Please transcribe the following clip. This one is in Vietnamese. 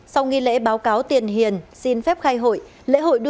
sau nghi lễ báo cáo tiền hiền xin phép khai hội